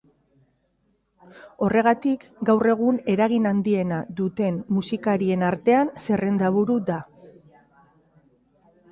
Horregatik, gaur egun eragin handiena duten musikarien artean zerrendaburu da.